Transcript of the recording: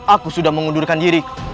aku sudah mengundurkan diriku